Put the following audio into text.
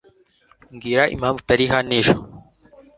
mbwira impamvu utari hano ejo